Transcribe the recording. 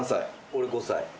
俺５歳。